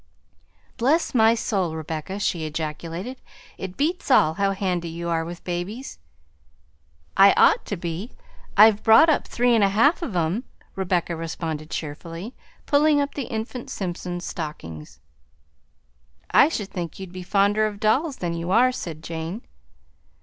"Bless my soul, Rebecca," she ejaculated, "it beats all how handy you are with babies!" "I ought to be; I've brought up three and a half of 'em," Rebecca responded cheerfully, pulling up the infant Simpson's stockings. "I should think you'd be fonder of dolls than you are," said Jane.